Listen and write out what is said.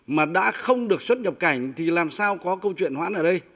mà đã không được xuất nhập cảnh thì làm sao có câu chuyện hoãn ở đây